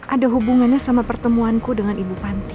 ada hubungannya sama pertemuanku dengan ibu panti